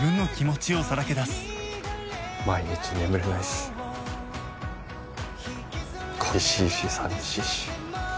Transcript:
毎日眠れないし恋しいし寂しいし。